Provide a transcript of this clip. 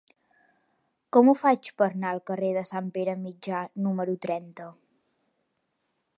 Com ho faig per anar al carrer de Sant Pere Mitjà número trenta?